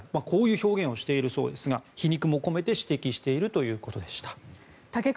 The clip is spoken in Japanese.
こういう表現をしているそうですが皮肉も込めて指摘しているということでした。